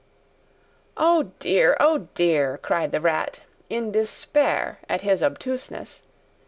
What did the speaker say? "O, dear! O, dear!" cried the Rat, in despair at his obtuseness.